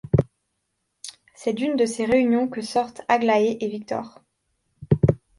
C’est d’une de ces réunions que sortent Aglaé et Victor.